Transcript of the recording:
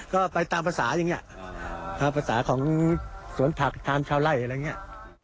ก็ไปตามภาษาอย่างนี้ตามภาษาของสวนผักตามชาวไล่อะไรอย่างนี้